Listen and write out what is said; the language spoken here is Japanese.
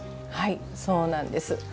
はいそうなんです。